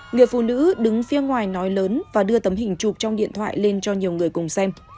người phụ nữ đứng phía ngoài nói lớn và đưa tấm hình chụp trong điện thoại lên cho nhiều người cùng xem